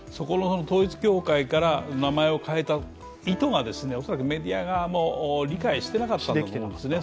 統一教会から名前を変えた意図が、恐らくメディア側も理解していなかったんだと思うんですね。